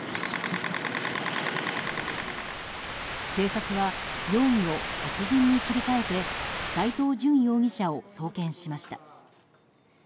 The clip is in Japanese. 警察は、容疑を殺人に切り替えて斎藤淳容疑者を送検しました。